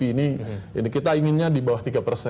ini kita inginnya di bawah